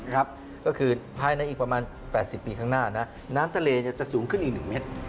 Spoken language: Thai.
ก็คือภายในอีกประมาณ๘๐ปีข้างหน้านะน้ำทะเลจะสูงขึ้นอีก๑เมตร